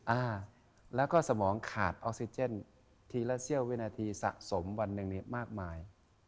อ่าแล้วก็สมองขาดออกซิเจนทีละเสี้ยววินาทีสะสมวันหนึ่งเนี่ยมากมาย